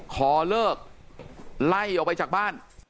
ขอเลิกไล่ออกไปจากบ้าน